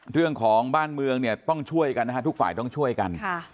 เรื่องของบ้านเมืองเนี่ยต้องช่วยกันนะฮะทุกฝ่ายต้องช่วยกัน